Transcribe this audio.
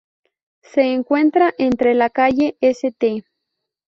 Se encuentra entre la calle St.